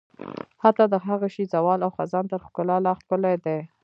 حتی د هغه شي زوال او خزان تر ښکلا لا ښکلی دی.